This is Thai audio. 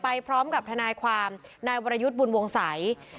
พร้อมกับทนายความนายวรยุทธ์บุญวงศัย